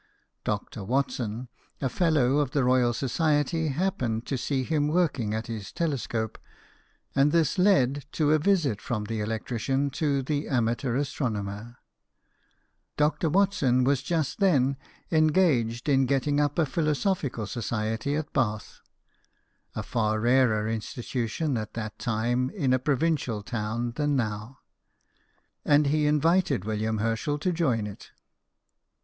Dr. Watson, a Fellow of the 104 BIOGRAPHIES OF WORKING MEN. Royal Society, happened to see him working at his telescope ; and this led to a visit from the electrician to the amateur astronomer. Dr. Watson was just then engaged in getting up a Philosophical Society at Bath (a far rarer insti tution at that time in a provincial town than now), and he invited William Herschel to join it.